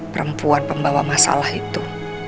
perempuan pembawa masalah itu